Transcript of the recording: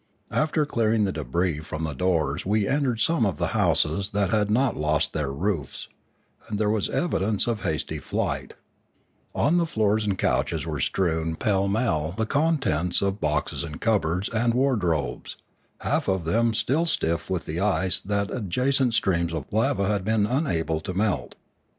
After clearing the debris from the doors we entered some of the houses that had not lost their roofs, and there was evidence of hasty flight; on the floors and couches were strewn pellmell the contents of boxes and cupboards and ward robes, half of them still stiff with the ice that the ad jacent streams of lava had been unable to melt.